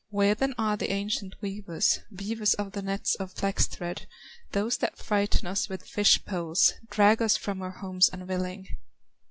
Where then are the ancient weavers, Weavers of the nets of flax thread, Those that frighten us with fish poles, Drag us from our homes unwilling?"